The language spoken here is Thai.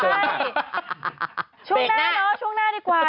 ช่วงหน้าเนอะช่วงหน้าดีกว่า